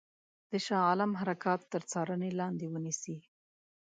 د شاه عالم حرکات تر څارني لاندي ونیسي.